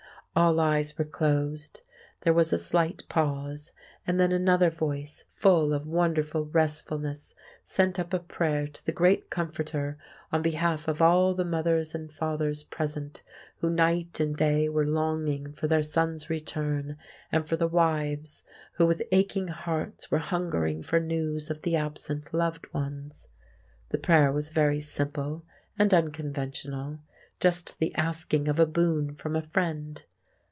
All eyes were closed. There was a slight pause, and then another voice full of wonderful restfulness sent up a prayer to the Great Comforter on behalf of all the mothers and fathers present, who night and day were longing for their sons' return, and for the wives who with aching hearts were hungering for news of the absent loved ones. The prayer was very simple and unconventional, just the asking of a boon from a Friend.